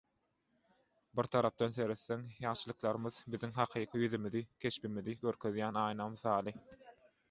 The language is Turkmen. Bir tarapdan seretseň, ýagşylyklarymyz biziň hakyky ýüzümizi, keşbimizi görkezýän aýna mysaly.